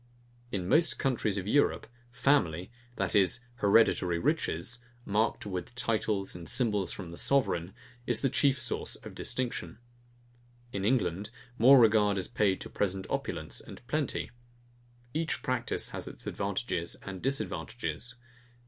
In most countries of Europe, family, that is, hereditary riches, marked with titles and symbols from the sovereign, is the chief source of distinction. In England, more regard is paid to present opulence and plenty. Each practice has its advantages and disadvantages.